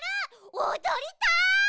おどりたい。